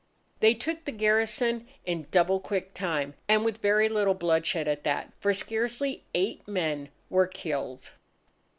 They took the garrison in double quick time, and with very little bloodshed at that, for scarcely eight men were killed.